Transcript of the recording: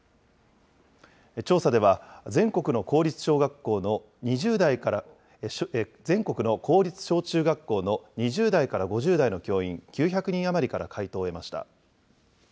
調査では、全国の公立小学校の２０代から、全国の公立小中学校の２０代から５０代の教員９００人余りから回答を得ました。